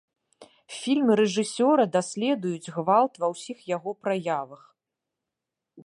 Фільмы рэжысёра даследуюць гвалт ва ўсіх яго праявах.